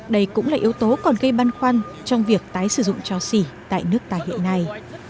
đây cũng là yếu tố còn gây băn khoăn trong việc tái sử dụng cho xỉ tại nước ta hiện nay